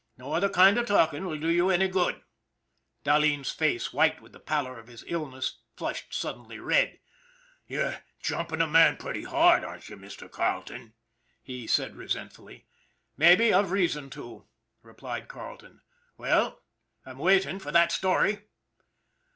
No other kind of talking will do you any good." Dahleen's face, white with the pallor of his illness, flushed suddenly red. " You're jumping a man pretty hard, aren't you, Mr. Carleton ?" he said resentfully. " Maybe I've reason to," replied Carleton. " Well, I'm waiting for that story."